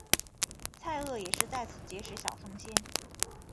蔡锷也是在此结识小凤仙。